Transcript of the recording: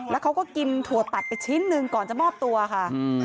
แล้วเขาก็กินถั่วตัดไปชิ้นหนึ่งก่อนจะมอบตัวค่ะ